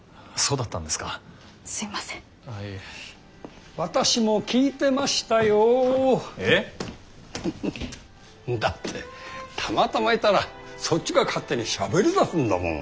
だってたまたまいたらそっちが勝手にしゃべりだすんだもん。